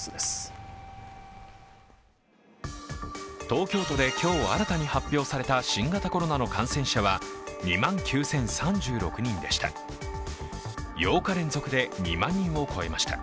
東京都で今日新たに発表された新型コロナの感染者は２万９０３６人でした。